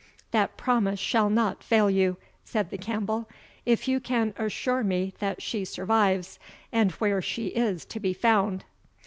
"That promise shall not fail you," said the Campbell, "if you can assure me that she survives, and where she is to be found."